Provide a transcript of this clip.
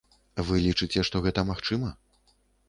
Вы лічыце, што гэта магчыма?